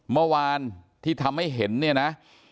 เมื่อวานที่ทำให้เห็นเนี่ยนะ